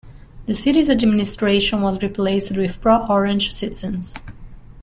The city's administration was replaced with pro-Orange citizens.